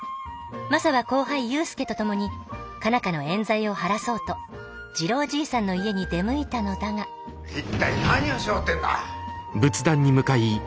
マサは後輩勇介と共に佳奈花のえん罪を晴らそうと次郎じいさんの家に出向いたのだが一体何をしようってんだ。